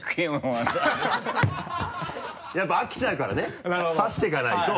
やっぱ飽きちゃうからね差していかないと。